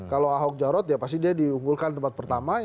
kalau ahok jarod ya pasti dia diunggulkan tempat pertama